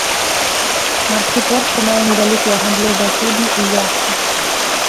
Марскі порт прымае невялікія гандлёвыя судны і яхты.